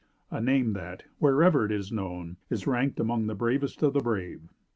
A name that, wherever it is known, is ranked among the "bravest of the brave."